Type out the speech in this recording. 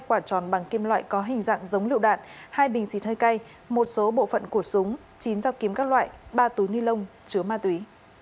một quả tròn bằng kim loại có hình dạng giống lựu đạn hai bình xịt hơi cay một số bộ phận của súng chín dao kiếm các loại ba túi ni lông chứa ma túy